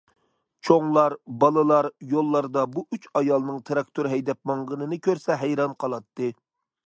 چوڭلار، بالىلار يوللاردا بۇ ئۈچ ئايالنىڭ تىراكتور ھەيدەپ ماڭغىنىنى كۆرسە ھەيران قالاتتى.